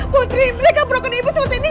putri mereka perlakukan ibu seperti ini